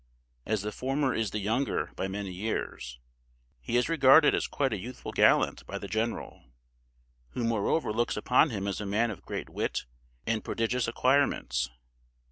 As the former is the younger by many years, he is regarded as quite a youthful gallant by the general, who moreover looks upon him as a man of great wit and prodigious acquirements.